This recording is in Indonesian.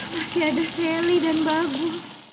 masih ada sally dan bagu